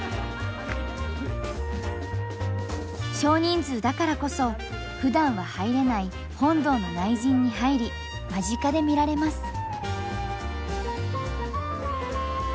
少人数だからこそふだんは入れない本堂の内陣に入り間近で見られます。